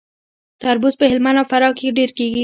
تربوز په هلمند او فراه کې ډیر کیږي.